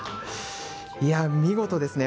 いや見事ですね。